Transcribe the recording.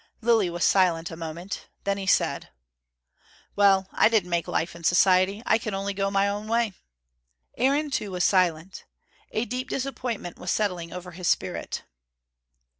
Lilly was silent a moment. Then he said: "Well, I didn't make life and society. I can only go my own way." Aaron too was silent. A deep disappointment was settling over his spirit.